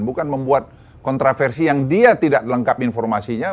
bukan membuat kontroversi yang dia tidak lengkap informasinya